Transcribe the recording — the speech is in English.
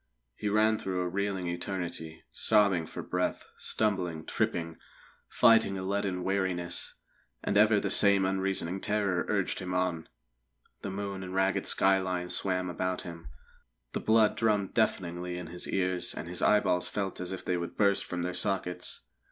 He ran through a reeling eternity, sobbing for breath, stumbling, tripping, fighting a leaden weariness; and ever the same unreasoning terror urged him on. The moon and ragged skyline swam about him; the blood drummed deafeningly in his ears, and his eyeballs felt as if they would burst from their sockets.